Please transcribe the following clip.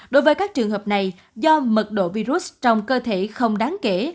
đối với các trường hợp này do mật độ virus trong cơ thể không đáng kể